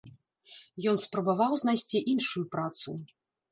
Ён спрабаваў знайсці іншую працу.